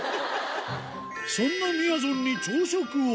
そんなみやぞんに朝食を。